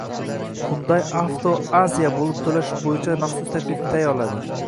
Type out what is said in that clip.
Hyundai Auto Asia bo‘lib to‘lash bo‘yicha maxsus taklifni tayyorladi